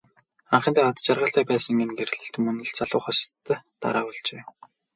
Анхандаа аз жаргалтай байсан энэ гэрлэлт мөн л залуу хосод дараа болжээ.